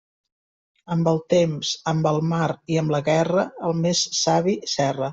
Amb el temps, amb el mar i amb la guerra, el més savi s'erra.